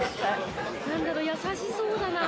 なんだろう、優しそうだな。